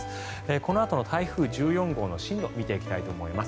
このあとの台風１４号の進路見ていきたいと思います。